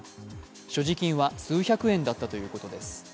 所持金は数百円だったということです。